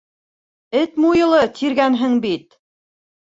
— Эт муйылы тиргәнһең бит...